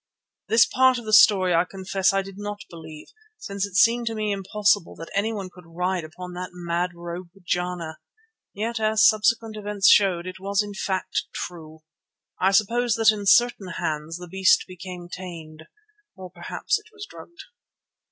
This part of the story I confess I did not believe, since it seemed to me impossible that anyone could ride upon that mad rogue, Jana. Yet, as subsequent events showed, it was in fact true. I suppose that in certain hands the beast became tame. Or perhaps it was drugged.